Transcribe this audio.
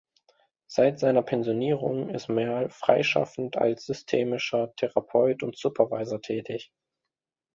Seit seiner Pensionierung ist Merl freischaffend als systemischer Therapeut und Supervisor tätig.